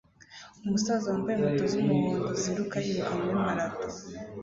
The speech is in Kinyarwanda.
Umusaza wambaye inkweto z'umuhondo ziruka yiruka muri marato